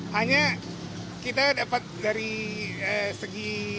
hanya kita dapat dari segi